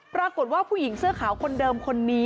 ปรากฏว่าผู้หญิงเสื้อขาวคนเดิมคนนี้